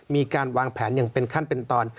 มีการวางแผนอย่างเป็นขั้นเป็นตอน